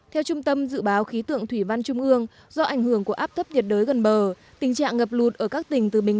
theo trung tâm dự báo khí tượng thủy văn trung ương do ảnh hưởng của áp thấp nhiệt đới gần bờ tình trạng ngập lụt ở các tỉnh từ bình